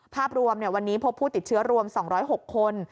ภาพรวมวันนี้พบผู้ติดเชื้อรวม๒๐๖คน